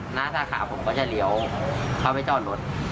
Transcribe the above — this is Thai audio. หน้าสาขาผมก็จะเลี้ยวเขาไปจอดรถ